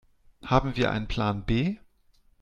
Haben wir einen Plan B?